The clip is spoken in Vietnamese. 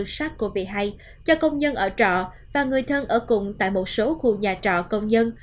sát covid một mươi chín cho công nhân ở trọ và người thân ở cùng tại một số khu nhà trọ công nhân